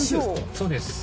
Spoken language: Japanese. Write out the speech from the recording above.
そうです。